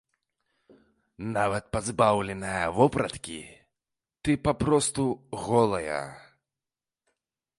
Нават пазбаўленая вопраткі, ты папросту голая.